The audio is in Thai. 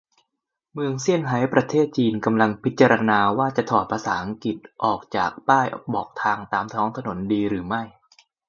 เมืองเซี่ยงไฮ้ ประเทศจีน กำลังพิจารณาว่า จะถอดภาษาอังกฤษออกจากป้ายบอกทางตามท้องถนนดีหรือไม่